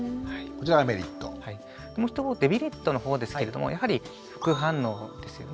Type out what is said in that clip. デメリットの方ですけれどもやはり副反応ですよね。